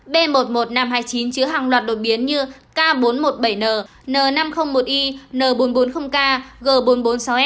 b một mươi một nghìn năm trăm hai mươi chín chứa hàng loạt đột biến như k bốn trăm một mươi bảy n năm trăm linh một i n bốn trăm bốn mươi kg g bốn trăm bốn mươi sáu s